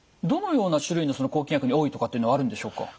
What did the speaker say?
どのような種類の抗菌薬に多いとかっていうのはあるんでしょうか？